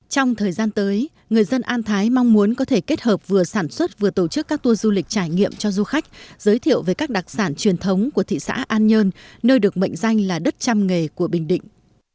trong thời gian tới người dân an thái mong muốn có thể kết hợp vừa sản xuất vừa tổ chức các tour du lịch trải nghiệm cho du khách giới thiệu về các đặc sản truyền thống của thị xã an nhơn nơi được mệnh danh là đất trăm nghề của bình định